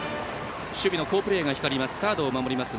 守備の好プレーが光ります。